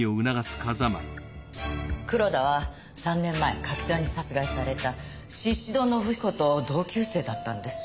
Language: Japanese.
黒田は３年前柿沢に殺害された宍戸信彦と同級生だったんです。